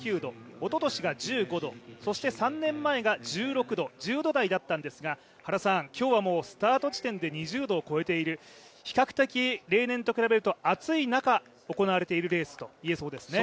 おととしが１５度そして３年前が１６度と１０度台だったんですが今日はスタート地点で２０度を超えている比較的例年と比べると暑い中行われているレースと言えそうですね。